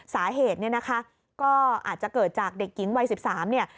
สาเหตุก็อาจจะเกิดจากเด็กหญิงวัย๑๓